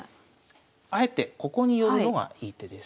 あえてここに寄るのがいい手です。